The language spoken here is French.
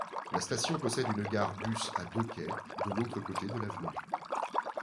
La station possède une gare bus à deux quais, de l'autre côté de l'avenue.